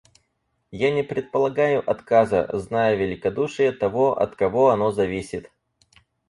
Я не предполагаю отказа, зная великодушие того, от кого оно зависит.